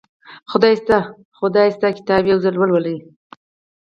خدای شته خدای شته کتاب یو ځل ولولئ